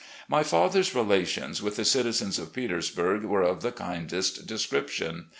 My father's relations with the citizens of Petersburg were of the kindest description.